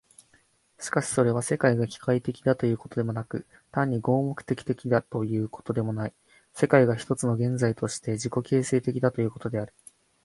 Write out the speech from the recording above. しかしそれは、世界が機械的だということでもなく、単に合目的的だということでもない、世界が一つの現在として自己形成的だということである。